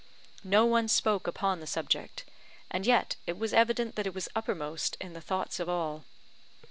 No one spoke upon the subject; and yet it was evident that it was uppermost in the thoughts of all.